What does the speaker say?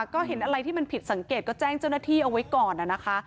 ก็เห็นอะไรที่มันผิดสังเกตก็แจ้งเจ้าหน้าที่เอาไว้ก่อนนะคะ